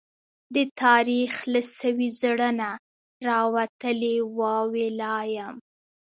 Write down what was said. د تاريخ له سوي زړه نه، راوتلې واوي لا يم